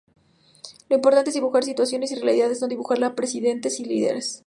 Lo importante es dibujar situaciones y realidades, no dibujar a presidentes y líderes".